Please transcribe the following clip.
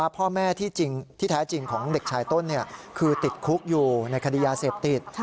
พ่อแม่ที่แท้จริงของเด็กชายต้นคือติดคุกอยู่ในคดียาเสพติด